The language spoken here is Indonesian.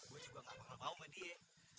gue juga gak panggil mau sama dia